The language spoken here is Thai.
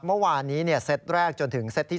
เมื่อวานนี้เซตแรกจนถึงเซตที่๒